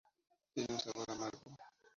Tiene un sabor amargo.